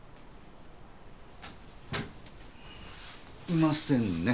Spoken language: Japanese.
いませんね。